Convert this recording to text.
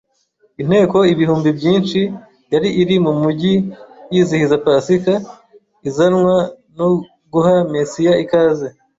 Inteko ibihumbi byinshi yari iri mu mujyi yizihiza Pasika, izanwa no guha Mesiya ikaze.